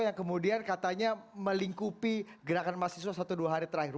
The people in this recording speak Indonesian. yang kemudian katanya melingkupi gerakan mahasiswa satu dua hari terakhir